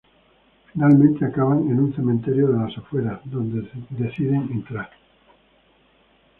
Finalmente acaban en un cementerio de las afueras, donde deciden entrar.